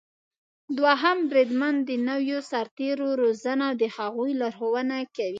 دوهم بریدمن د نويو سرتېرو روزنه او د هغوی لارښونه کوي.